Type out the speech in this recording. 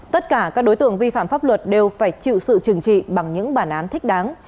tất cả các đối tượng vi phạm pháp luật đều phải chịu sự trừng trị bằng những bản án thích đáng